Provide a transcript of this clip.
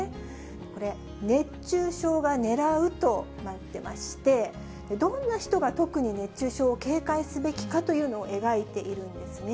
これ、熱中症がねらうとなっていまして、どんな人が特に熱中症を警戒すべきかというのを描いているんですね。